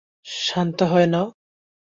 শান্ত হয়ে নাও।